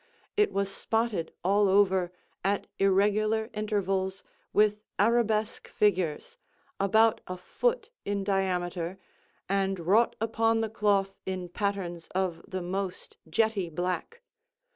It was spotted all over, at irregular intervals, with arabesque figures, about a foot in diameter, and wrought upon the cloth in patterns of the most jetty black.